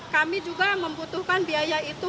kami juga membutuhkan biaya itu